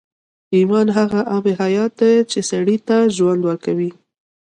ایمان هغه آب حیات دی چې سړي ته ژوند ورکوي